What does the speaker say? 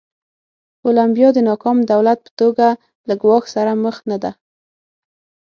کولمبیا د ناکام دولت په توګه له ګواښ سره مخ نه ده.